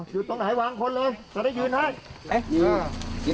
อยู่ตรงไหนวางคนเลยจะได้ยืนให้ไปยืน